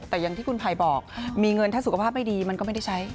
แต่อย่างที่คุณภัยบอกมีเงินถ้าสุขภาพไม่ดีมันก็ไม่ได้ใช้